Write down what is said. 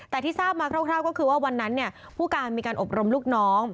แต่ที่ทราบมาคร่าวก็คือว่าวันนั้นผู้การมีการอบรมลูกน้อง